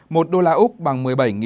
một yên nhật bằng hai trăm linh tám đồng